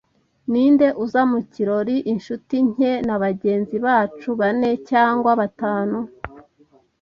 "Ninde uza mu kirori?" "Inshuti nke na bagenzi bacu bane cyangwa batanu."